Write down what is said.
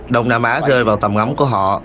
đông nam á rơi vào tầm ngắm của họ